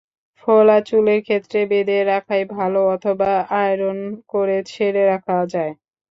ফোলা চুলের ক্ষেত্রে বেঁধে রাখাই ভালো অথবা আয়রন করে ছেড়ে রাখা যায়।